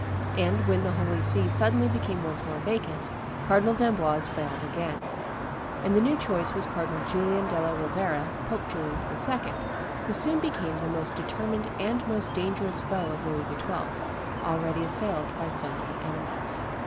and, when the Holy See suddenly became once more vacant, Cardinal d'Amboise failed again; and the new choice was Cardinal Julian della Rovera, Pope Julius II., who soon became the most determined and most dangerous foe of Louis XII., already assailed by so many enemies.